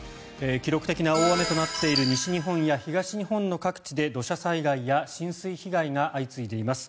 記録的な大雨となっている西日本や東日本の各地で土砂災害や浸水被害が相次いでいます。